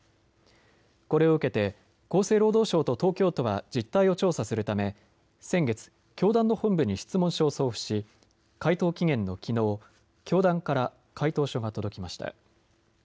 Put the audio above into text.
これを受けて厚生労働省と東京都は実態を調査するため先月、教団の本部に質問書を送付し回答期限のきのう教団から回答書が届きました。